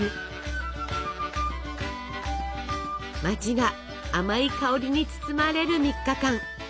街が甘い香りに包まれる３日間。